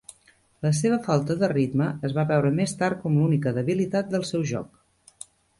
La seva falta de ritme es va veure més tard com l'única debilitat del seu joc.